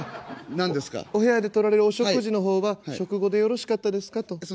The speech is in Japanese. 「お部屋で取られるお食事の方は食後でよろしかったですかと」。